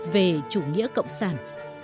về chủ nghĩa cộng sản